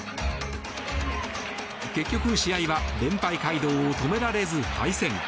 結局、試合は連敗街道を止められず敗戦。